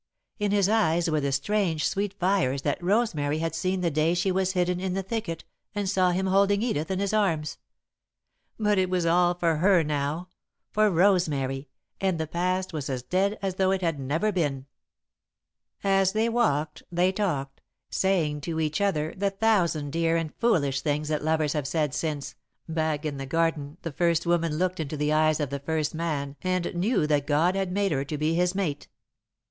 In his eyes were the strange, sweet fires that Rosemary had seen the day she was hidden in the thicket and saw him holding Edith in his arms. But it was all for her now, for Rosemary, and the past was as dead as though it had never been. As they walked, they talked, saying to each other the thousand dear and foolish things that lovers have said since, back in the Garden, the First Woman looked into the eyes of the First Man and knew that God had made her to be his mate.